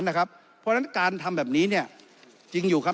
เพราะฉะนั้นการทำแบบนี้จริงอยู่ครับ